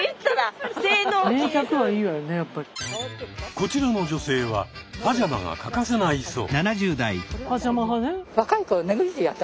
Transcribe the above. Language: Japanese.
こちらの女性はパジャマが欠かせないそう。